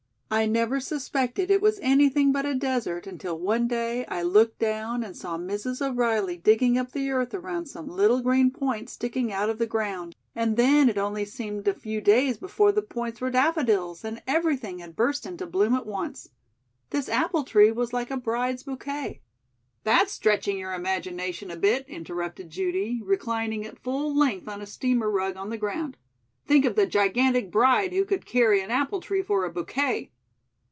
I never suspected it was anything but a desert until one day I looked down and saw Mrs. O'Reilly digging up the earth around some little green points sticking out of the ground, and then it only seemed a few days before the points were daffodils and everything had burst into bloom at once. This apple tree was like a bride's bouquet." "That's stretching your imagination a bit," interrupted Judy, reclining at full length on a steamer rug on the ground. "Think of the gigantic bride who could carry an apple tree for a bouquet."